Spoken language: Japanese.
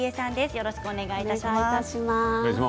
よろしくお願いします。